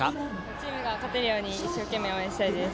チームが勝てるように一生懸命応援したいです。